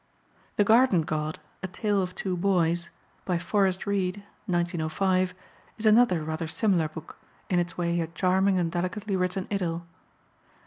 The Garden God: A Tale of Two Boys, by Forrest Reid (1905), is another rather similar book, in its way a charming and delicately written idyll.